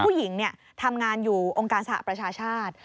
ผู้หญิงทำงานอยู่องค์การสหประชาชาติ